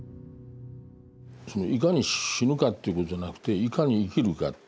いかに死ぬかということじゃなくていかに生きるか。